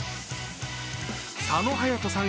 佐野勇斗さん